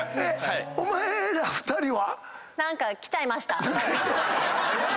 お前ら２人は？